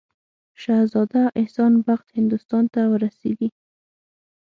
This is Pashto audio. شهزاده احسان بخت هندوستان ته ورسیږي.